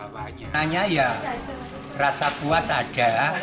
panitia nya ya rasa puas ada